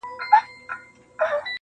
عبدالباري حهاني-